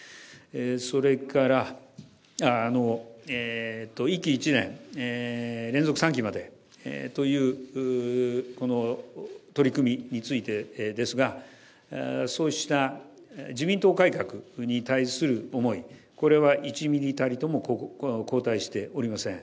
それから、１期１年連続３期までという、この取り組みについてですが、そうした自民党改革に対する思い、これは１ミリたりとも後退しておりません。